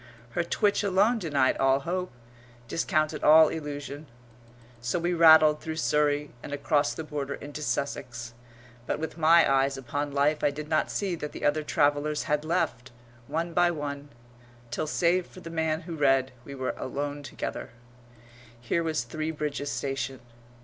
Her twitch alone denied all hope, discounted all illusion. So we rattled through Surrey and across the border into Sussex. But with my eyes upon life I did not see that the other travellers had left, one by one, till, save for the man who read, we were alone together. Here was Three Bridges station.